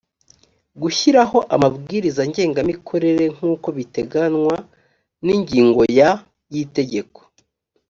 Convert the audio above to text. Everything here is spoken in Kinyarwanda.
gushyiraho amabwiriza ngengamikorere nk’uko biteganywa n’ingingo ya… y’itegeko